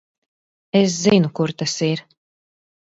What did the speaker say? Es zinu, kur tas ir.